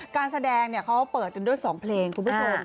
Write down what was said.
การแสดงเขาเปิดกันด้วย๒เพลงคุณผู้ชม